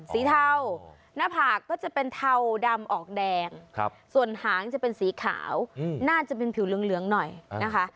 เทาหน้าผากก็จะเป็นเทาดำออกแดงส่วนหางจะเป็นสีขาวน่าจะเป็นผิวเหลืองหน่อยนะคะ